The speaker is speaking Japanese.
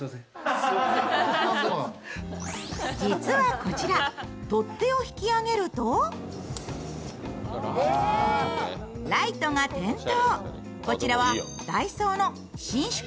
こちら、取っ手を引き上げるとライトが点灯。